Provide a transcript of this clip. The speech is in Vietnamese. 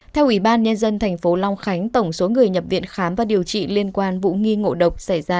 theo ủy ban nhân dân thành phố long khánh tổng số người nhập viện khám và điều trị liên quan vụ nghi ngộ độc xảy ra